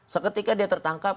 seketika dia tertangkap